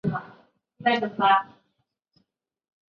三十一年诏天下学官改授旁郡州县。